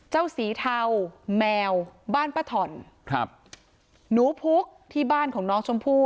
สีเทาแมวบ้านป้าถ่อนครับหนูพุกที่บ้านของน้องชมพู่